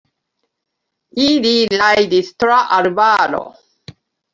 Ili rajdis tra arbaro.